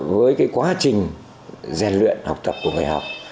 với quá trình gian luyện học tập của người học